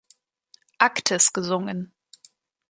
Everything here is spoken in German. Aktes gesungen.